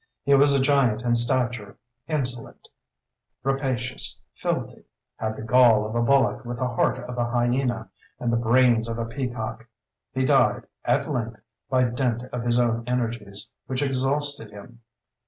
He was a giant in stature—insolent, rapacious, filthy, had the gall of a bullock with the heart of a hyena and the brains of a peacock. He died, at length, by dint of his own energies, which exhausted him.